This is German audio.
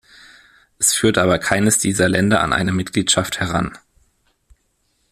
Es führt aber keines dieser Länder an eine Mitgliedschaft heran.